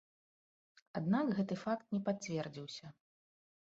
Аднак гэты факт не пацвердзіўся.